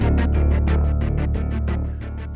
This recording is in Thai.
มค